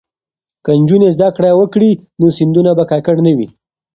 که نجونې زده کړې وکړي نو سیندونه به ککړ نه وي.